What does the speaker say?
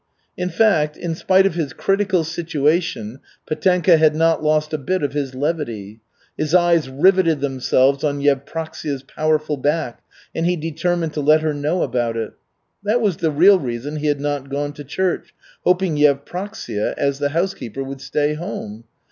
In fact, in spite of his critical situation, Petenka had not lost a bit of his levity. His eyes riveted themselves on Yevpraksia's powerful back and he determined to let her know about it. That was the real reason he had not gone to church, hoping Yevpraksia, as the housekeeper, would stay home.